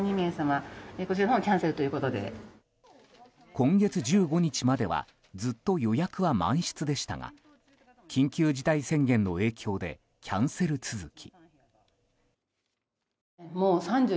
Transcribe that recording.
今月１５日まではずっと予約は満室でしたが緊急事態宣言の影響でキャンセル続き。